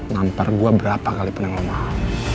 nampar gue berapa kali pun yang lo mau